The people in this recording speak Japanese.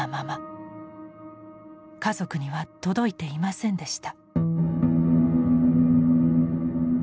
家族には届いていませんでした。